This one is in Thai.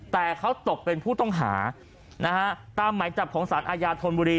แต่เขาตกเป็นผู้ต้องหานะฮะตามหมายจับของสารอาญาธนบุรี